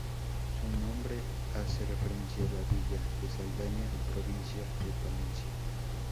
Su nombre hace referencia a la villa de Saldaña, provincia de Palencia.